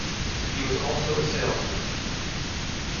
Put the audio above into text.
He was also a salesman.